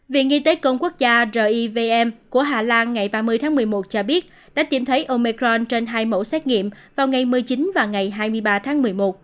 viện y tế công quốc gia rivm của hà lan ngày ba mươi tháng một mươi một cho biết đã tìm thấy omecron trên hai mẫu xét nghiệm vào ngày một mươi chín và ngày hai mươi ba tháng một mươi một